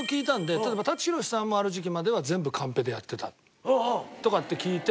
例えば舘ひろしさんもある時期までは全部カンペでやってたとかって聞いて。